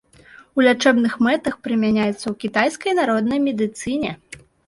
У лячэбных мэтах прымяняецца ў кітайскай народнай медыцыне.